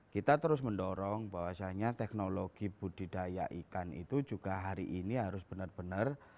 kita terus mendorong bahwasanya teknologi budidaya ikan itu juga hari ini harus benar benar